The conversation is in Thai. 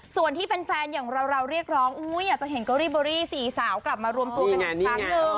ส่วนที่แฟนอย่างเราเรียกร้องอยากจะเห็นก็รีบเบอรี่สี่สาวกลับมารวมตัวกันอีกครั้งหนึ่ง